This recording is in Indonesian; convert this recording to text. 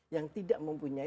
yang tidak mempunyai